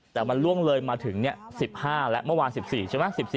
แต่มันล่วงเลยมาถึง๑๕แล้วเมื่อวาน๑๔ใช่ไหม